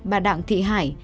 bà đặng thị hải